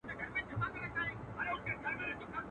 دلته دوه رنګي ده په دې ښار اعتبار مه کوه.